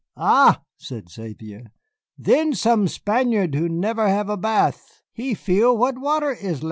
"Ah," said Xavier, "then some Spaniard who never have a bath he feel what water is lak."